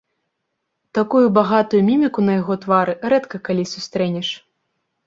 Такую багатую міміку на яго твары рэдка калі сустрэнеш.